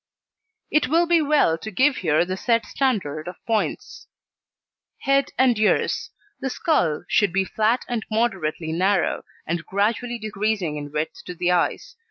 It will be well to give here the said standard of points. HEAD AND EARS The Skull should be flat and moderately narrow, and gradually decreasing in width to the eyes.